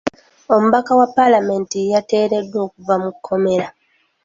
Omubaka wa paalamenti yateereddwa okuva mu kkomera.